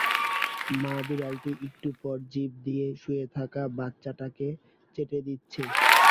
মা-বিড়ালটি একটু পরপর জিভ দিয়ে শুয়ে থাকা বাচ্চাটাকে চেটে দিচ্ছে।